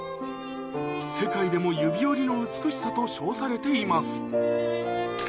世界でも指折りの美しさと称されています